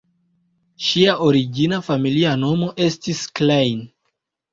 Ŝia origina familia nomo estis "Klein".